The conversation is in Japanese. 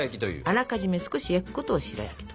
あらかじめ少し焼くことを白焼きと。